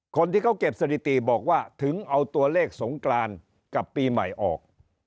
คนที่เขาเก็บสถิติบอกว่าถึงเอาตัวเลขสงกรานกับปีใหม่ออก